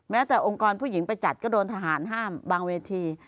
จากองค์กรผู้หญิงไปจัดก็โดนทหารห้ามบางเวที